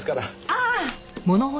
ああ！